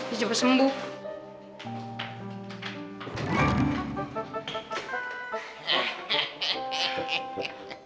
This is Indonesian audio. kita coba sembuh